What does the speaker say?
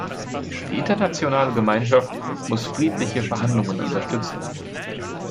Die internationale Gemeinschaft muss friedliche Verhandlungen unterstützen.